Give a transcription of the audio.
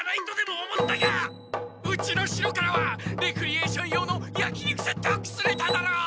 うちの城からはレクリエーション用のやき肉セットをくすねただろ！